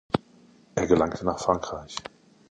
Er gelangte nach Frankreich.